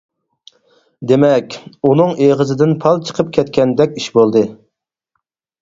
دېمەك، ئۇنىڭ ئېغىزىدىن پال چىقىپ كەتكەندەك ئىش بولدى.